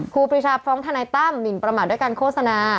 คู่พิชาฟ้องธนัยตั้มหมินประหม่าดด้วยการโฆษณา